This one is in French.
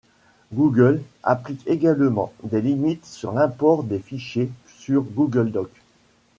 Google applique également des limites sur l'import des fichiers sur Google Docs.